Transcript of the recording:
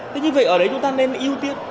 thế như vậy ở đấy chúng ta nên ưu tiên